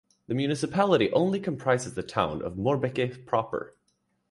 The municipality only comprises the town of Moerbeke proper.